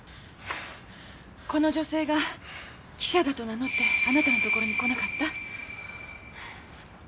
この女性が記者だと名乗ってあなたの所に来なかった？